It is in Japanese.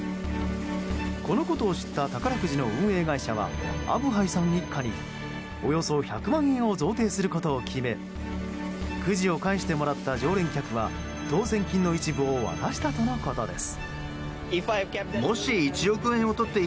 このことを知った宝くじの運営会社はアブハイさん一家におよそ１００万円を贈呈することを決めくじを返してもらった常連客は当せん金の一部を渡したとのことです。